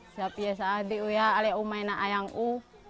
siapiasa dia alik umenang ayangku